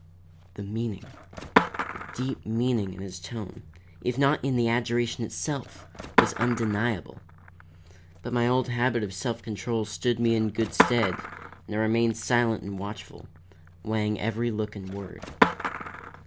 The meaning, the deep meaning in his tone, if not in the adjuration itself, was undeniable; but my old habit of self control stood me in good stead and I remained silent and watchful, weighing every look and word.